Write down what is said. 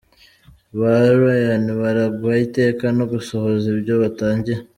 Ba Rayane barangwa iteka no gusohoza ibyo batangiye